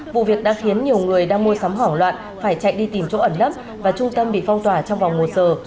vụ việc đã khiến nhiều người đang mua sắm hoảng loạn phải chạy đi tìm chỗ ẩn nấp và trung tâm bị phong tỏa trong vòng một giờ